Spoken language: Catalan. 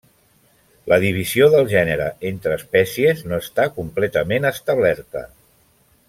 La divisió del gènere entre espècies no està completament establerta.